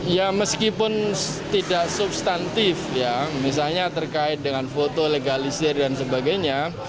ya meskipun tidak substantif ya misalnya terkait dengan foto legalisir dan sebagainya